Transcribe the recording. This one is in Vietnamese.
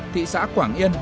thị xã quảng yên